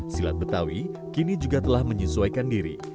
silat betawi kini juga telah menyesuaikan diri